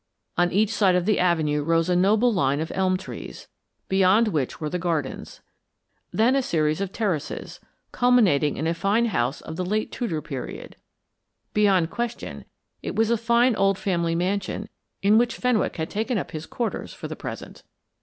On each side of the avenue rose a noble line of elm trees, beyond which were the gardens; then a series of terraces, culminating in a fine house of the late Tudor period. Beyond question, it was a fine old family mansion in which Fenwick had taken up his quarters for the present.